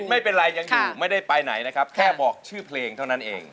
ไม่ได้ไปไหนนะครับแค่บอกชื่อเพลงเท่านั้นเอง